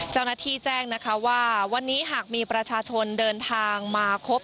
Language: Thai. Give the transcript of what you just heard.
เจ้าหน้าที่แจ้งนะคะว่าวันนี้หากมีประชาชนเดินทางมาครบ